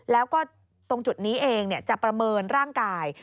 แล้วก็ตรงจุดนี้เองจะประเมินร่างกาย